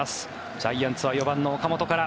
ジャイアンツは４番の岡本から。